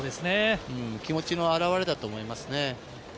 気持ちの表れだと思いますね。